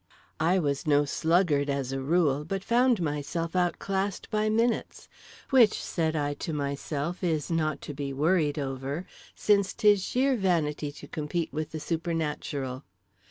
I was no sluggard as a rule, but found myself outclassed by minutes—which, said I to myself, is not to be worried over since 'tis sheer vanity to compete with the supernatural.